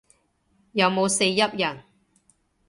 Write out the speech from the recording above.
有冇四邑人